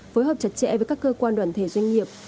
phối hợp chặt chẽ với các cơ quan đoàn thể doanh nghiệp